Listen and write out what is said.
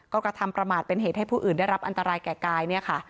ก็กระทำประมาทเป็นเหตุให้ผู้อื่นได้รับอันตรายแก่กายเนี่ยค่ะ